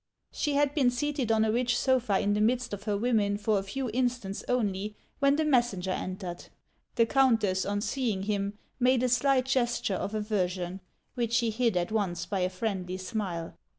She had been seated on a rich sofa in the midst of her women for a few instants only, when the messenger en tered. The countess on seeing him made a slight gesture of aversion, which she hid at once by a friendly smile.